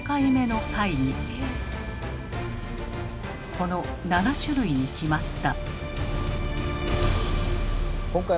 この７種類に決まった。